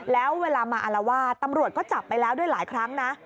แล้วเวลามาอารวาสตำรวจก็จับไปแล้วด้วยหลายครั้งนะ